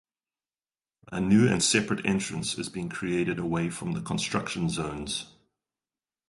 A new and separate entrance is being created away from the Construction zones.